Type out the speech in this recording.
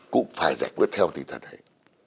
cũng phải giải quyết theo tình thần ấy